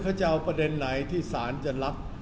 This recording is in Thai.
เขาจะเอาประเด็นไหนที่ศาลจะรับ